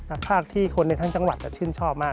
ภาคที่คนในทั้งจังหวัดชื่นชอบมาก